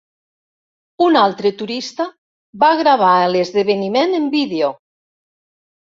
Un altre turista va gravar l'esdeveniment en vídeo.